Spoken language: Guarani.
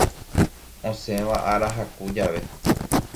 Osẽva ára haku jave.